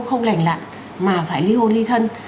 không lành lặn mà phải li hôn li thân